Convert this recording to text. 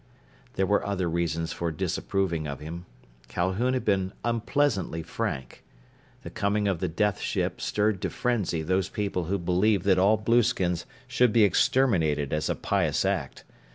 There were other reasons for disapproving of him. Calhoun had been unpleasantly frank. The coming of the death ship stirred to frenzy those people who believed that all blueskins should be exterminated as a pious act.